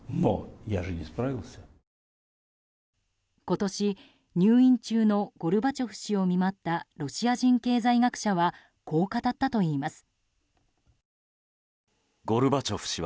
今年、入院中のゴルバチョフ氏を見舞ったロシア人経済学者はこう語ったといいます。